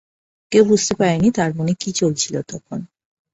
কেউ বুঝতে পারেনি তার মনে কি চলছিলো তখন।